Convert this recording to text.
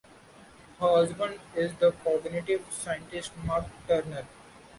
Her husband is the cognitive scientist Mark Turner.